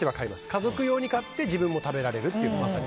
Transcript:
家族用に買って自分も食べられるっていうの。